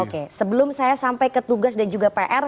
oke sebelum saya sampai ke tugas dan juga pr